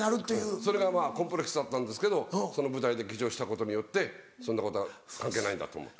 それがコンプレックスだったんですけど舞台で化粧したことによってそんなことは関係ないんだと思った。